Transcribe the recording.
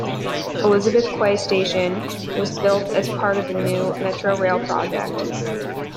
Elizabeth Quay station was built as part of the New MetroRail project.